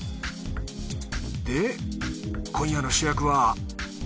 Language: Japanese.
で今夜の主役は。